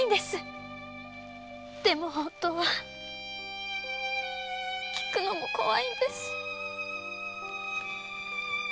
けど本当は訊くのも怖いんです。